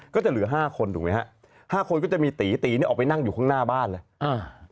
ก็จะเหลือห้าคนถูกไหมฮะห้าคนก็จะมีตีตีเนี่ยออกไปนั่งอยู่ข้างหน้าบ้านเลยอ่า